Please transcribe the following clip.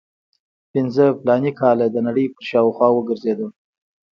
پنځه فلاني کاله د نړۍ په شاوخوا وګرځېدم.